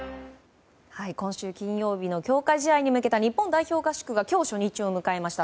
今週金曜日の強化試合に向けた日本代表合宿が今日、初日を迎えました。